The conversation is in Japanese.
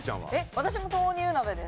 私も豆乳鍋です。